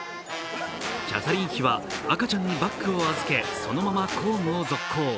キャサリン妃は赤ちゃんにバッグを預け、そのまま公務を続行。